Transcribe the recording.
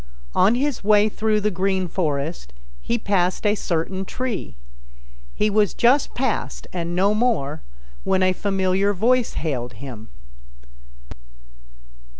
On his way through the Green Forest he passed a certain tree. He was just past and no more when a familiar voice hailed him.